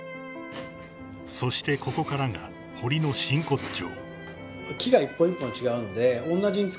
［そしてここからが堀の真骨頂］